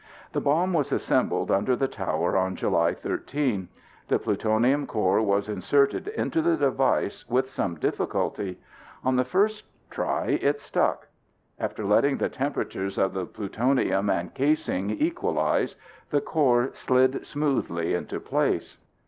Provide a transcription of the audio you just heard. The bomb was assembled under the tower on July 13. The plutonium core was inserted into the device with some difficulty. On the first try it stuck. After letting the temperatures of the plutonium and casing equalize the core slid smoothly into place.